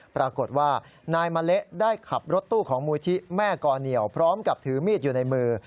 ปรากฏว่านายมะเละได้ขับรถตู้ของมูลที่แม่กอเหนียวพร้อมกับถือมีดอยู่ในมือ